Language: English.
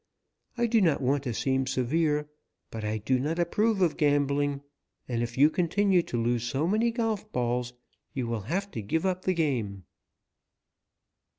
I do not want to seem severe, but I do not approve of gambling, and if you continue to lose so many golf balls you will have to give up the game."